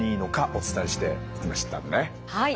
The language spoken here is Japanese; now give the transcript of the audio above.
はい。